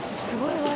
すごい！